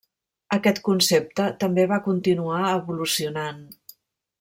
Aquest concepte també va continuar evolucionant.